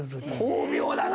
巧妙だな。